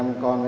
mình cũng khỏe